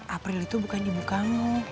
april itu bukan ibu kamu